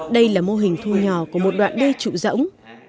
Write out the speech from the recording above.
đây là mô hình thu nhỏ của một đoạn đê trụ rỗng